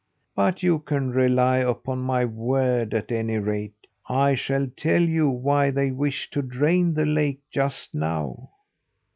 But you can rely upon my word, at any rate. I shall tell you why they wish to drain the lake just now.